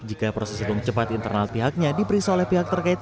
jika proses hitung cepat internal pihaknya diperiksa oleh pihak terkait